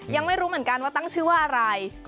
ยังไม่รู้เหมือนกันว่าตั้งชื่อว่าอะไร